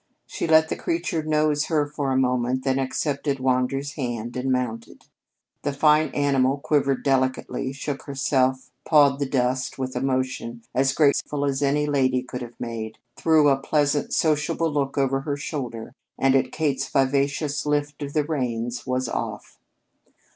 She let the creature nose her for a moment, then accepted Wander's hand and mounted. The fine animal quivered delicately, shook herself, pawed the dust with a motion as graceful as any lady could have made, threw a pleasant, sociable look over her shoulder, and at Kate's vivacious lift of the rein was off.